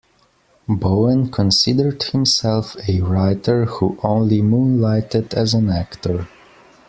Bowen considered himself a writer who only moonlighted as an actor.